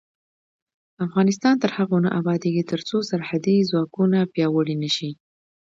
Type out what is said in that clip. افغانستان تر هغو نه ابادیږي، ترڅو سرحدي ځواکونه پیاوړي نشي.